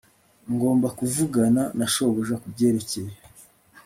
Ngomba kuvugana na shobuja kubyerekeye